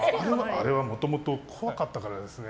あれはもともと怖かったからですね。